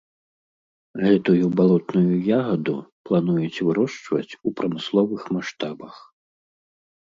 Гэтую балотную ягаду плануюць вырошчваць у прамысловых маштабах.